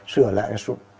sửa lại là sụn